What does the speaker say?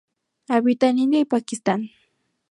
Habita en India y Pakistán.